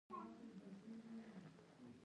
دا ځل قضیه خورا ژوره وه